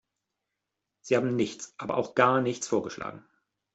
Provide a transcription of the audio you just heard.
Sie haben nichts, aber auch gar nichts vorgeschlagen!